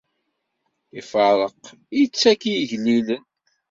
Iferreq, ittak i igellilen.